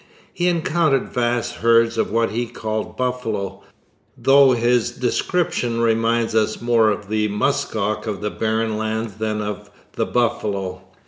He encountered vast herds of what he called buffalo, though his description reminds us more of the musk ox of the barren lands than of the buffalo.